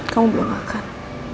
kamu belum makan